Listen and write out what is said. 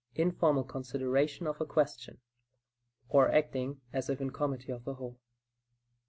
Informal Consideration of a Question (or acting as if in committee of the whole).